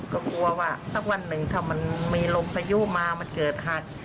ก็กลัวว่าสักวันหนึ่งถ้ามันมีลมพายุมามันเกิดหัด